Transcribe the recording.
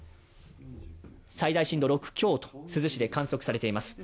最大震度６強と珠洲市で観測されています。